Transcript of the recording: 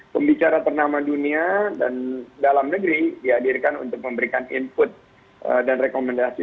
pembicara ternama dunia dan dalam negeri dihadirkan untuk memberikan input dan rekomendasi